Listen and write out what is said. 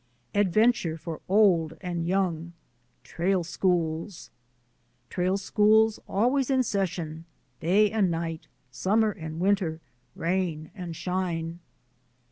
Adventure for old and young — trail schools. Trail schools always in session: day and night, summer and winter, rain and shine.